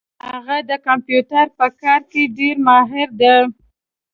هغه د کمپیوټر په کار کي ډېر ماهر ده